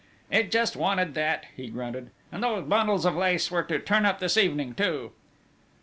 "It just wanted that!" he grunted: "And those bundles of lace were to turn up this evening too!"